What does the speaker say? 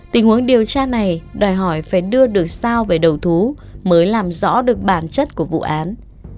tình huống điều tra này đòi hỏi phải đưa được sao về đầu thú mới làm rõ được bản chất của vụ án